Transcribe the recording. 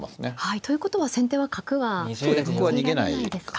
ということは先手は角は逃げられないですか。